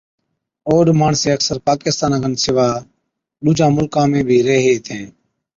اوڏ ماڻسين اڪثر پاڪستانا کن سِوا ڏُوجا مُلڪا ۾ بِي ريهين هِتين،